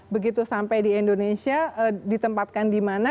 begitu sampai di indonesia ditempatkan di mana